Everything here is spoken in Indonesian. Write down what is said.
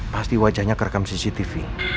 pasti wajahnya kerekam cctv